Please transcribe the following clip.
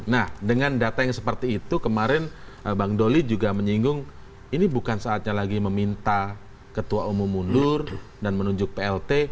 nah dengan data yang seperti itu kemarin bang doli juga menyinggung ini bukan saatnya lagi meminta ketua umum mundur dan menunjuk plt